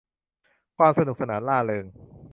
ความสนุกสนานร่าเริง